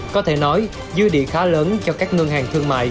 có thể nói dư địa khá lớn cho các ngân hàng thương mại